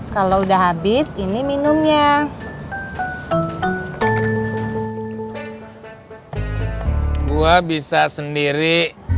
kalau udah habis ini minumnya gua bisa sendiri